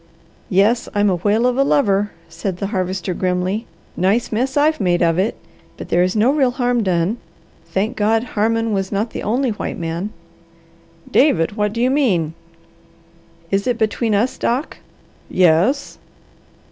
"Yes, I'm a whale of a lover!" said the Harvester grimly. "Nice mess I've made of it. But there is no real harm done. Thank God, Harmon was not the only white man." "David, what do you mean?" "Is it between us, Doc?" "Yes."